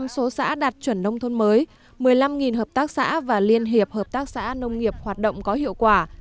năm mươi số xã đạt chuẩn nông thôn mới một mươi năm hợp tác xã và liên hiệp hợp tác xã nông nghiệp hoạt động có hiệu quả